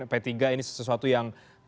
p tiga ini sesuatu yang